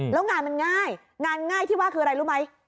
แล้วงานมันง่ายงานง่ายที่ว่าคืออะไรรู้ไหม